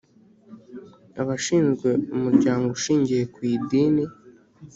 abashinzwe umuryango ushingiye kwidini